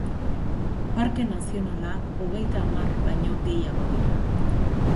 Parke nazionalak hogeita hamar baino gehiago dira.